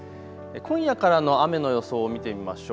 今夜からの雨の予想を見てみましょう。